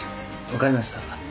分かりました。